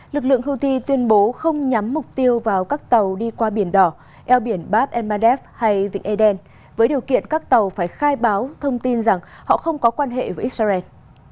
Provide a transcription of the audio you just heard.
lực lượng houthi tuyên bố không nhắm mục tiêu vào các tàu đi qua biển đỏ eo biển bab elmade hay vịnh eden với điều kiện các tàu phải khai báo thông tin rằng họ không có quan hệ với israel